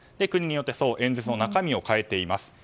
国によって演説の中身を変えています。